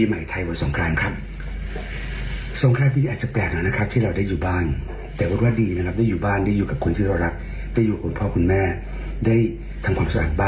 ขอให้พระประธานสติให้เราเต็มร้อยเลยนะครับ